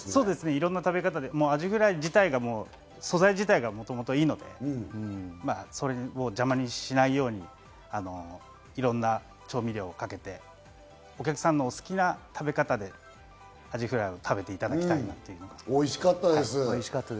いろんな食べ方、アジフライ自体が素材自体がもともといいので、それを邪魔しないように、いろんな調味料をかけて、お客さんのお好きな食べ方でアジフライを食べていただきたいなとおいしかったです。